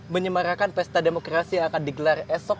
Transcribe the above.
menyemarakan pesta demokrasi yang akan digelar esok